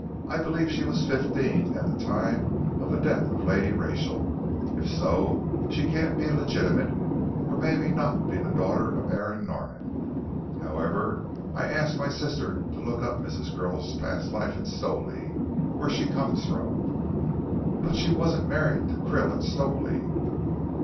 "I believe she was fifteen at the time of the death of Lady Rachel. If so, she can't be legitimate or may not be the daughter of Aaron Norman. However, I've asked my sister to look up Mrs. Krill's past life in Stowley, where she comes from." "But she wasn't married to Krill at Stowley?"